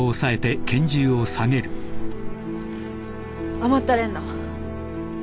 甘ったれんな。